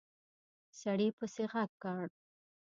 سړي پسې غږ کړ!